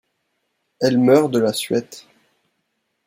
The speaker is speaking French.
Elle meurt de la suette.